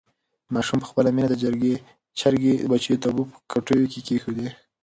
ماشوم په خپله مینه د چرګې بچیو ته اوبه په کټو کې کېښودې.